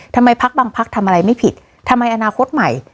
พักบางพักทำอะไรไม่ผิดทำไมอนาคตใหม่